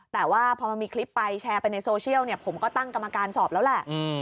แต่ว่าพอมันมีคลิปไปแชร์ไปในโซเชียลเนี่ยผมก็ตั้งกรรมการสอบแล้วแหละ